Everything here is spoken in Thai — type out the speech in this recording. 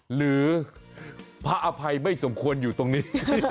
หรือพระอภัยไม่สมควรอยู่ตรงนี้